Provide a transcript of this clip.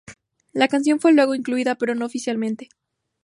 La canción fue luego incluida, pero no oficialmente.